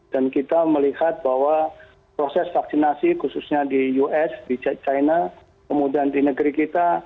dan kita melihat bahwa proses vaksinasi khususnya di us di china kemudian di negeri kita